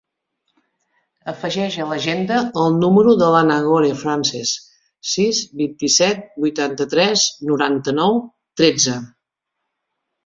Afegeix a l'agenda el número de la Nagore Frances: sis, vint-i-set, vuitanta-tres, noranta-nou, tretze.